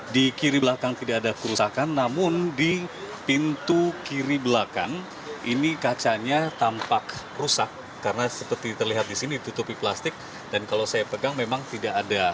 di kiri belakang tidak ada kerusakan namun di pintu kiri belakang ini kacanya tampak rusak karena seperti terlihat di sini tutupi plastik dan kalau saya pegang memang tidak ada